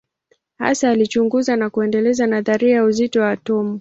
Hasa alichunguza na kuendeleza nadharia ya uzito wa atomu.